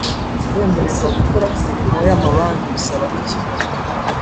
kwemererwa gukora imirimo yamabanki bisaba iki